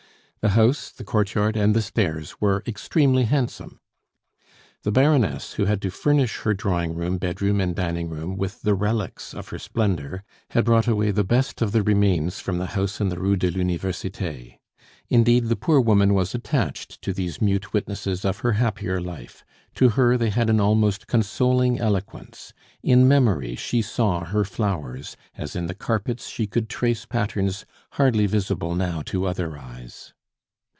The house, the court yard, and the stairs were extremely handsome. The Baroness, who had to furnish her drawing room, bed room, and dining room with the relics of her splendor, had brought away the best of the remains from the house in the Rue de l'Universite. Indeed, the poor woman was attached to these mute witnesses of her happier life; to her they had an almost consoling eloquence. In memory she saw her flowers, as in the carpets she could trace patterns hardly visible now to other eyes.